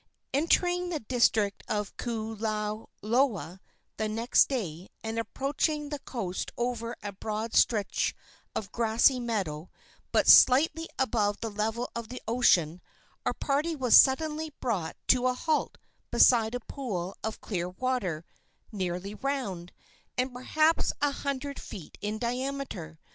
Entering the district of Koolauloa the next day, and approaching the coast over a broad stretch of grassy meadow but slightly above the level of the ocean, our party was suddenly brought to a halt beside a pool of clear water, nearly round, and perhaps a hundred feet in diameter.